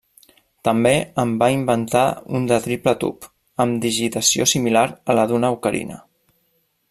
També en va inventar un de triple tub, amb digitació similar a la d'una ocarina.